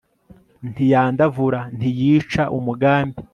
ntiyandavura, ntiyica umugambi